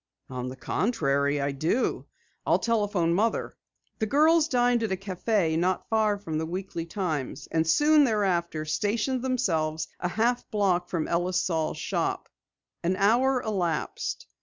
"On the contrary, I do. I'll telephone Mother." The girls dined at a café not far from the Weekly Times and soon thereafter stationed themselves a half block from Ellis Saal's shop. An hour elapsed.